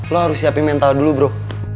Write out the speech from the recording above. lo harus siapin mental dulu bro